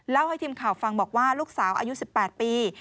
ให้ทีมข่าวฟังบอกว่าลูกสาวอายุ๑๘ปี